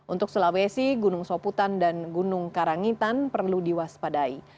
untuk sulawesi gunung soputan dan gunung karangitan perlu diwaspadai